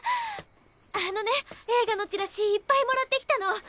あのね映画のチラシいっぱいもらってきたの。